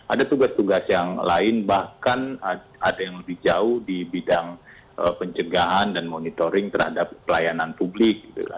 ada tugas tugas yang lain bahkan ada yang lebih jauh di bidang pencegahan dan monitoring terhadap pelayanan publik